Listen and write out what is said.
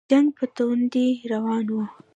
جنګ په توندۍ روان وو.